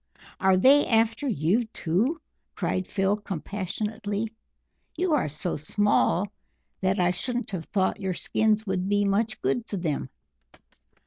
"Are they after you, too?" cried Phil compassionately. "You are so small that I shouldn't have thought your skins would be much good to them!"